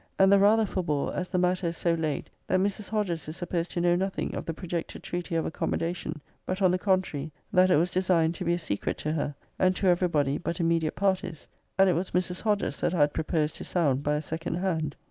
And the rather forbore, as the matter is so laid, that Mrs. Hodges is supposed to know nothing of the projected treaty of accommodation; but, on the contrary, that it was designed to be a secret to her, and to every body but immediate parties; and it was Mrs. Hodges that I had pro posed to sound by a second hand.